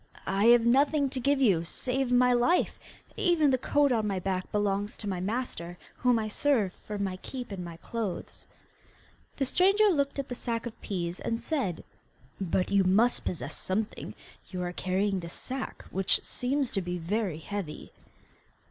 'I have nothing to give you save my life; even the coat on my back belongs to my master, whom I serve for my keep and my clothes.' The stranger looked at the sack of peas, and said, 'But you must possess something; you are carrying this sack, which seems to be very heavy.